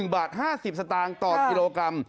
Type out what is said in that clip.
๑บาท๕๐สตางค์ต่อกิโลกรัม